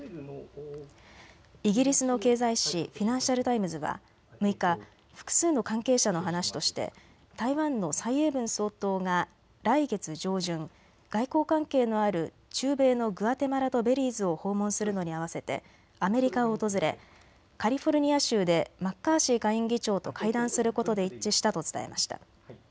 イギリスの経済紙、フィナンシャル・タイムズは６日、複数の関係者の話として台湾の蔡英文総統が来月上旬、外交関係のある中米のグアテマラとベリーズを訪問するのに合わせてアメリカを訪れ、カリフォルニア州でマッカーシー下院議長と会談することで一致したと伝えました。